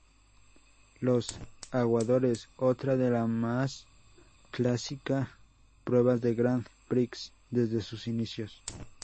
Los Aguadores: Otra de las más clásicas pruebas del Grand Prix desde sus inicios.